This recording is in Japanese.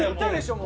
もう。